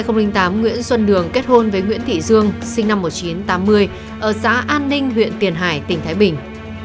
năm hai nghìn tám nguyễn xuân đường kết hôn với nguyễn thị dương sinh năm một nghìn chín trăm tám mươi ở xã an ninh huyện tiền hải tỉnh thái bình